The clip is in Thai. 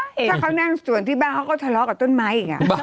ถ้าเขานั่งตรงบ้านเขาก็ทะเลาะกับต้นไม้